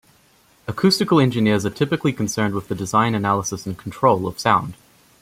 Acoustical engineers are typically concerned with the design, analysis and control of sound.